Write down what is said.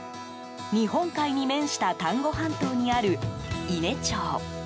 日本海に面した丹後半島にある伊根町。